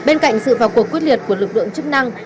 bên cạnh sự vào cuộc quyết liệt của lực lượng chức năng